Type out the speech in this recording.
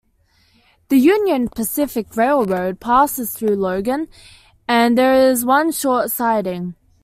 The Union Pacific Railroad passes through Logan, and there is one short siding.